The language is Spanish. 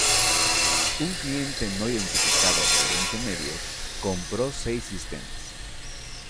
Un cliente no identificado de Oriente Medio compró seis sistemas.